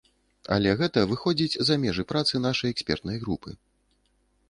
Але гэта выходзіць за межы працы нашай экспертнай групы.